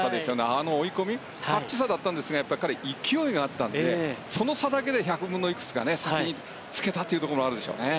あの追い込みタッチ差だったんですが、彼は勢いがあったので、その差で１００分のいくつか先に着けたというのはあるでしょうね。